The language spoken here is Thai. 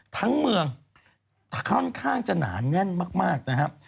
ทั้งเมืองค่อนข้างจะหนาแน่นมากนะครับ